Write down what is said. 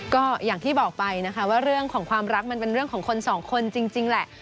ก็อย่างที่บอกไปนะคะว่าเรื่องของความรักมันเป็นเรื่องของคนสองคนจริงแหละ